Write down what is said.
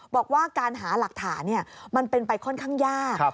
บอกว่าการหาหลักฐานมันเป็นไปค่อนข้างยาก